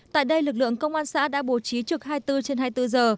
tại đây lực lượng công an xã đã bố trí trực hai mươi bốn trên hai mươi bốn giờ